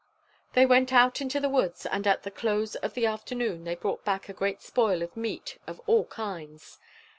They went out into the woods, and at the close of the afternoon they brought back a great spoil of meat of all kinds.